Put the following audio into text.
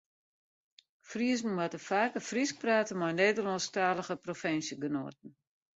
Friezen moatte faker Frysk prate mei Nederlânsktalige provinsjegenoaten.